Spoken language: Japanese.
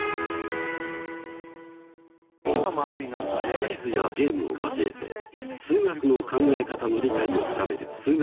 クイズやゲームを交えて数学の考え方の理解を深める「数学Ⅰ」。